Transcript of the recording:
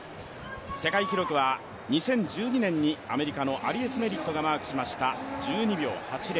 世界記録は２０１２年にアメリカのアリエス・メリットがマークしました１２秒８０。